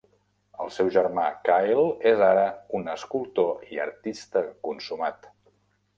El seu germà Kyle és ara un escultor i artista consumat.